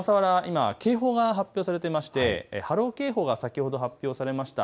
小笠原は今警報が発表されていて波浪警報が先ほど発表されました。